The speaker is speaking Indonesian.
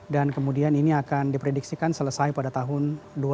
kemudian ini akan diprediksikan selesai pada tahun dua ribu dua puluh